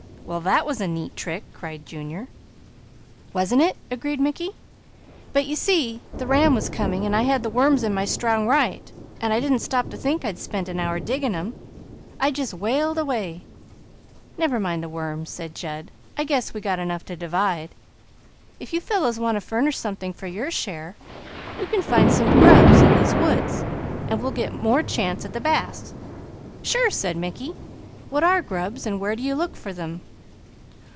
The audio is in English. "Well that was a smart trick!" cried Junior. "Wasn't it?" agreed Mickey. "But you see the ram was coming and I had the worms in my strong right, so I didn't stop to think I'd spent an hour digging them; I just whaled away " "Never mind worms," said Jud. "I guess we got enough to divide; if you fellows want to furnish something for your share, you can find some grubs in these woods, and we'll get more chance at the bass." "Sure!" said Mickey. "What are grubs and where do you look for them?"